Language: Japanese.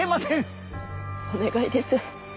お願いです。